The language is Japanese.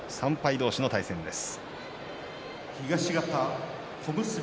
同士の対戦です。